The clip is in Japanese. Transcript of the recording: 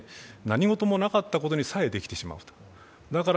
何事もなかったことにさえできてしまうと。